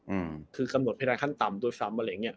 อืมคือคำหนดเวทลานขั้นต่ำตัวสำอะไรอย่างเงี้ย